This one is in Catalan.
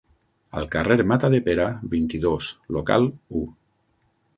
Al carrer Matadepera, vint-i-dos, local u.